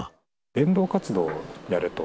伝道活動をやれと。